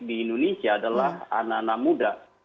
di indonesia adalah anak anak muda